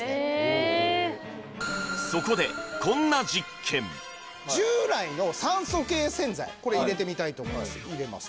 そこでこんな実験従来の酸素系洗剤これ入れてみたいと思います入れます